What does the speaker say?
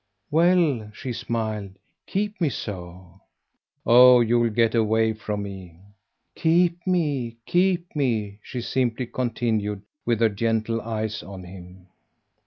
"Well," she smiled "keep me so." "Oh you'll get away from me." "Keep me, keep me," she simply continued with her gentle eyes on him.